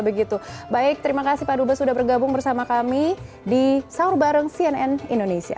baik terima kasih pak dubes sudah bergabung bersama kami di sahur bareng cnn indonesia